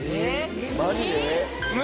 マジで？